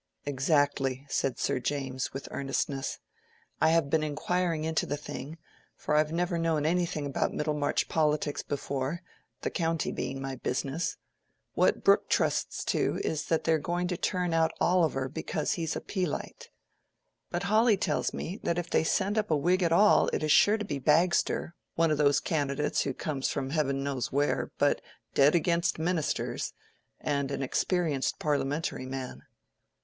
"Exactly," said Sir James, with earnestness. "I have been inquiring into the thing, for I've never known anything about Middlemarch politics before—the county being my business. What Brooke trusts to, is that they are going to turn out Oliver because he is a Peelite. But Hawley tells me that if they send up a Whig at all it is sure to be Bagster, one of those candidates who come from heaven knows where, but dead against Ministers, and an experienced Parliamentary man.